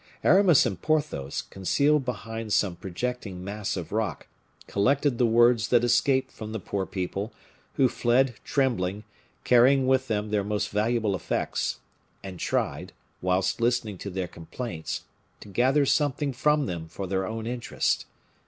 Aramis and Porthos, concealed behind some projecting mass of rock, collected the words that escaped from the poor people, who fled, trembling, carrying with them their most valuable effects, and tried, whilst listening to their complaints, to gather something from them for their own interest.